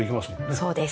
そうです。